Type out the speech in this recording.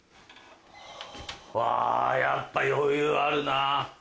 うわやっぱ余裕あるな。